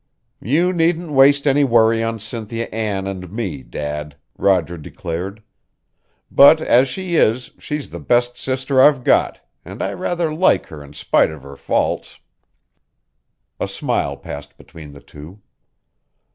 "You needn't waste any worry on Cynthia Ann and me, Dad," Roger declared. "Bad as she is, she's the best sister I've got, and I rather like her in spite of her faults." A smile passed between the two.